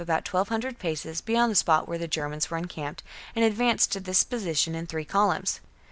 about twelve hundred paces beyond the spot where the Germans were encamped, and advanced to this position in three columns.